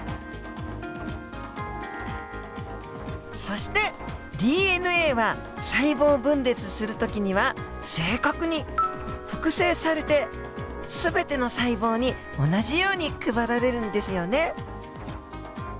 そしてＤＮＡは細胞分裂する時には正確に複製されて全ての細胞に同じように配られるんですよね。